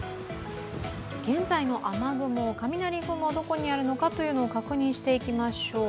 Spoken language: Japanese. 現在の雨雲、雷雲はどこにあるのか確認していきましょう。